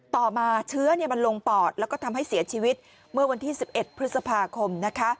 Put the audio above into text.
ต่อมาเชื้อมันลงปอดแล้วก็ทำให้เสียชีวิตเมื่อวันที่๑๑พฤษภาคม